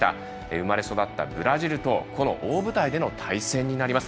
生まれ育ったブラジルとこの大舞台での対戦になります。